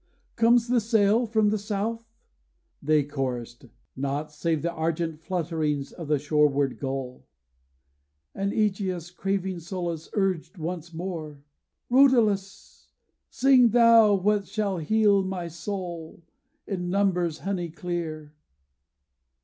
Comes the sail from the south?' They chorused 'Naught Save argent flutterings of the shoreward gull.' And Ægeus, craving solace, urged once more: 'Rhodalus! sing thou what shall heal my soul, In numbers honey clear.